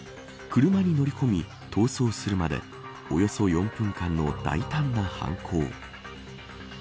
車に乗り込み逃走するまでおよそ４分間の大胆な犯行。